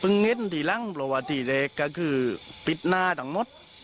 พึงเน็ตที่หลังประวัติที่เล็กก็คือปิดหน้าทั้งหมด